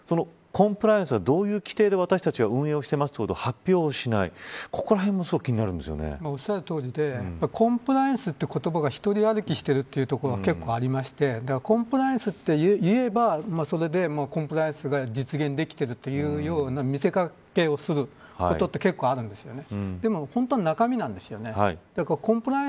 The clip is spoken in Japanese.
そのコンプライアンスがどういう規定で、私たちは運用していますということを発表しない、ここら辺もおっしゃるとおりでコンプライアンスという言葉が独り歩きしているということころが結構ありましてコンプライアンスといえばそれでコンプライアンスが実現できているというように見せ掛けをすることって、結構あるんですよね。